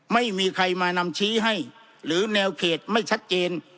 ไม่มีใครมานำชี้ให้หรือแนวเขตไม่ชัดเจน